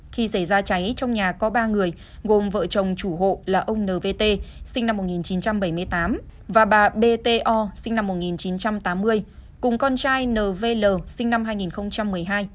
khi xảy ra cháy trong nhà có ba người gồm vợ chồng chủ hộ là ông nvt sinh năm một nghìn chín trăm bảy mươi tám và bà bto sinh năm một nghìn chín trăm tám mươi cùng con trai nvl sinh năm hai nghìn một mươi hai